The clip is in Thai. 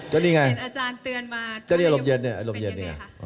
ก็นี่ไงเห็นอาจารย์เตือนมาเจ้านี่อารมณ์เย็นเนี่ยอารมณ์เย็นนี่ไง